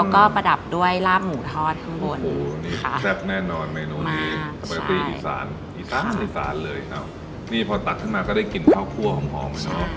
พอตัดขึ้นมาก็ได้กลิ่นข้าวครั่วหอม